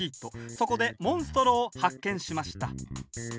そこでモンストロを発見しました。